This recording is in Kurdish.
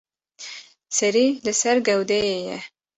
Serî li ser gewdeyê ye.